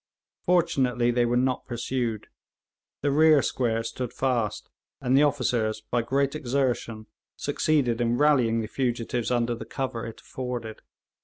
Fortunately they were not pursued. The rear square stood fast, and the officers by great exertion succeeded in rallying the fugitives under the cover it afforded.